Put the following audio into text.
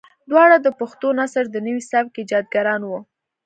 دواړه د پښتو نثر د نوي سبک ايجادګران وو.